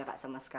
aku terus mereka